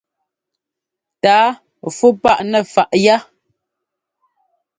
Tǎa fú paʼ nɛ faʼ yá.